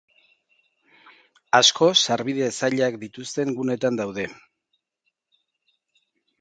Asko sarbide zailak dituzten guneetan daude.